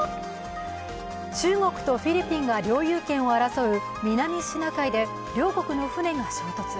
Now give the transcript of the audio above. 中国とフィリピンが領有権を争う南シナ海で両国の船が衝突。